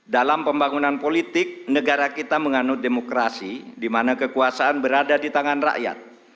dalam pembangunan politik negara kita menganut demokrasi di mana kekuasaan berada di tangan rakyat